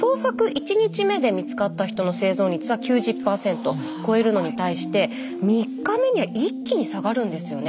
１日目で見つかった人の生存率は９０％超えるのに対して３日目には一気に下がるんですよね。